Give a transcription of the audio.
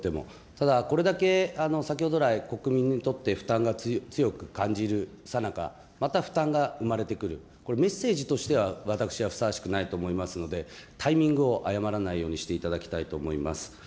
ただこれだけ先ほどらい、国民にとって負担が強く感じるさなか、また負担が生まれてくる、これ、メッセージとしては私はふさわしくないと思いますので、タイミングを誤らないようにしていただきたいと思います。